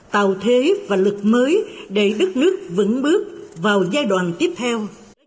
tạo thế và lực mới để đất nước vững bước vào giai đoạn tiếp theo